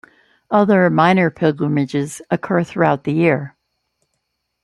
Other, minor pilgrimages occur throughout the year.